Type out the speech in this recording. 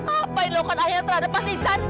apa yang dilakukan akhir terhadap mas ihsan